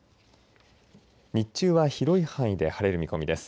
日中は広い範囲で晴れる見込みです。